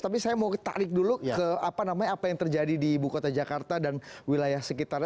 tapi saya mau tarik dulu ke apa namanya apa yang terjadi di ibu kota jakarta dan wilayah sekitarnya